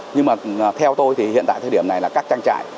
nhưng mà theo tôi thì hiện tại thời điểm này là các trang trại